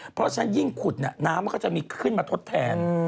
เพราะฉะนั้นยิ่งขุดน้ำมันก็จะมีขึ้นมาทดแทน